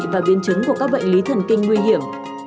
và biến chứng của các bệnh lý thần kinh nguy hiểm